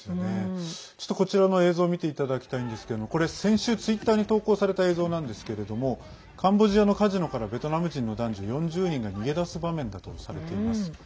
こちらの映像を見ていただきたいんですけれどもこれは先週、ツイッターに投稿された映像なんですけれどもカンボジアのカジノからベトナム人の男女４０人が逃げ出す場面だとされています。